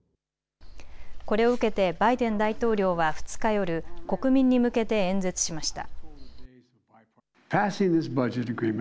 これを受けてバイデン大統領は２日夜、国民に向けて演説しました。